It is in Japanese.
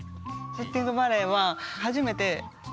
「シッティングバレー」は初めてうわ。